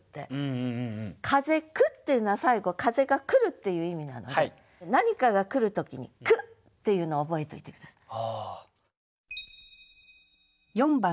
「風来」っていうのは最後風が来るっていう意味なので何かが来る時に「来」っていうのを覚えといて下さい。